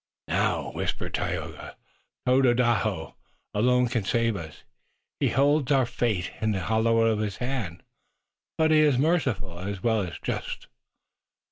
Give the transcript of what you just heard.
"Now," whispered Tayoga, "Tododaho alone can save us. He holds our fate in the hollow of his hand, but he is merciful as well as just."